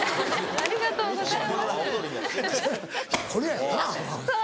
ありがとうございます。